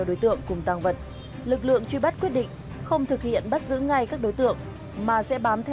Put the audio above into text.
đối tượng mà theo hoặc không theo quy luật hạo động